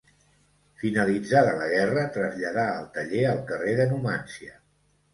Finalitzada la guerra, traslladà el taller al carrer de Numància.